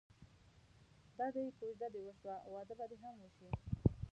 دادی کوژده دې وشوه واده به دې هم وشي.